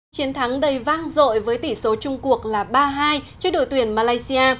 chiến thắng đầy vang rội với tỷ số chung cuộc là ba hai cho đội tuyển malaysia